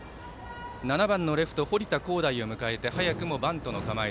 ７番レフト堀田晄大を迎えて早くもバントの構え。